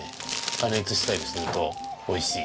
加熱したりすると美味しい。